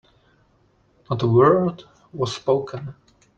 Not a word was spoken.